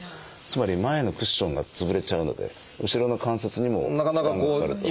つまり前のクッションが潰れちゃうので後ろの関節にも負担がかかると。